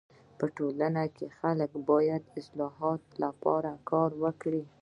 په ټولنه کي خلک باید د اصلاحاتو لپاره کار وکړي.